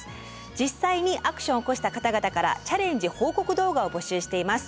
実際にアクションを起こした方々からチャレンジ報告動画を募集しています。